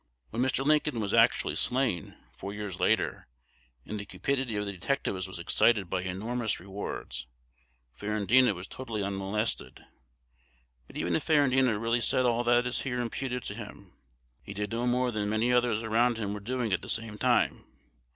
When Mr. Lincoln was actually slain, four years later, and the cupidity of the detectives was excited by enormous rewards, Ferrandina was totally unmolested. But even if Ferrandina really said all that is here imputed to him, he did no more than many others around him were doing at the same time.